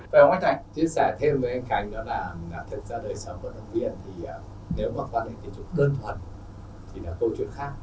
vậy ông anh này chia sẻ thêm với anh khánh đó là thật ra đời sống của vận động viên thì nếu mà quan hệ tình dục cơn thuần thì là câu chuyện khác